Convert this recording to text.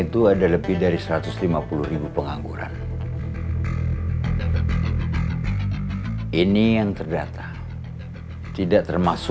jawab pertanyaan ce eno